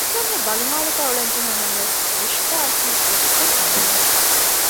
ކިތައްމެ ބަލިހާލުގައި އުޅެންޖެހުނު ނަމަވެސް ރިޝްދާއަކީ ކެތްތެރި އަންހެނެއް